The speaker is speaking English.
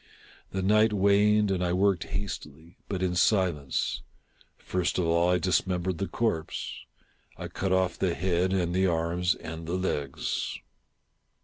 The night waned, and I worked hastily, but in silence. First of all I dismembered the corpse. I cut off the head and the arms and the legs.